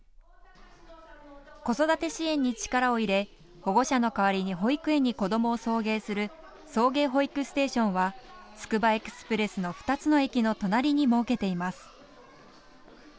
子育て支援に力を入れ保護者の代わりに保育園に子どもを送迎する送迎保育ステーションはつくばエクスプレスの２つの駅の隣に設けています。